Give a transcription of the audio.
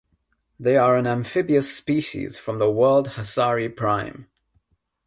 They are an amphibious species from the world Hasari Prime.